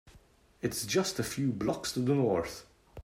It’s just a few blocks to the North.